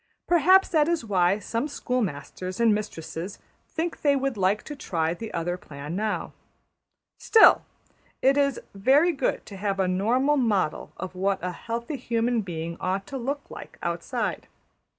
Perhaps that is why some schoolmasters and mistresses think they would like to try the other plan now. Still, it is very good to have a normal model of what a healthy human being ought to look like outside.